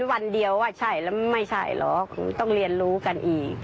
เรียนรู้กันอีก